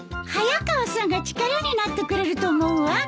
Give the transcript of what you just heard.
早川さんが力になってくれると思うわ。